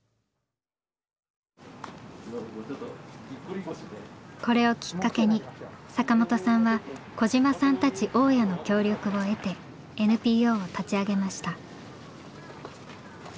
小嶌さんはもうこれをきっかけに坂本さんは小嶌さんたち大家の協力を得てＮＰＯを立ち上げました。